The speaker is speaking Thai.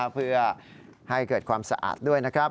เพื่อให้เกิดความสะอาดด้วยนะครับ